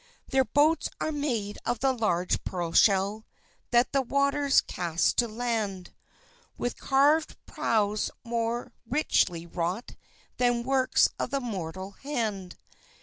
Their boats are made of the large pearl shell That the waters cast to land; With carvèd prows more richly wrought Than works of mortal hand.